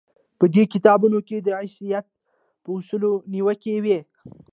په دې کتابونو کې د عیسایت په اصولو نیوکې وې.